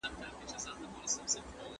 ایا افغان سوداګر وچه الوچه پروسس کوي؟